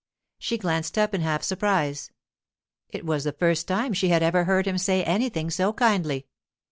She glanced up in half surprise. It was the first time she had ever heard him say anything so kindly.